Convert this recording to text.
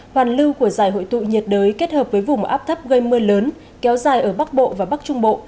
hoàn lưu của giải hội tụ nhiệt đới kết hợp với vùng áp thấp gây mưa lớn kéo dài ở bắc bộ và bắc trung bộ